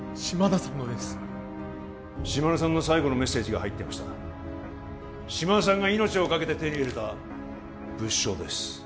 島田さんの最後のメッセージが入ってました島田さんが命をかけて手に入れた物証です